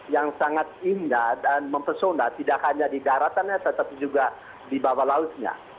yang sangat indah dan mempesona tidak hanya di daratannya tetapi juga di bawah lautnya